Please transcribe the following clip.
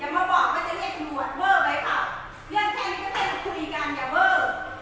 อย่ามาบอกว่าจะเล่นหัวเวอร์ไหมครับเรื่องแทนก็เป็นคุณอีกการอย่าเวอร์